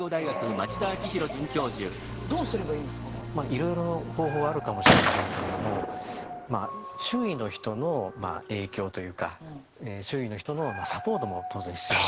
いろいろ方法はあるかもしれませんけれども周囲の人の影響というか周囲の人のサポートも当然必要になりますよね。